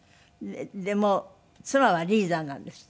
もう妻はリーダーなんですって？